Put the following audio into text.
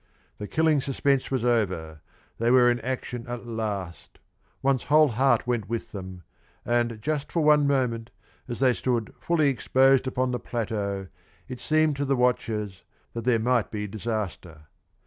The killing suspense was over they were in action at last, one's whole heart went with them, and just for one moment, as they stood fully exposed upon the plateau, it seemed to the watchers that there might be disaster.